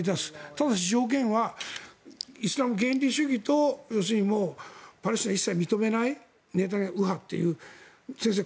ただし条件はイスラム原理主義とパレスチナは一切認めない右派という先生